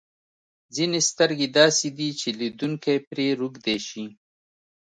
ځینې سترګې داسې دي چې لیدونکی پرې روږدی شي.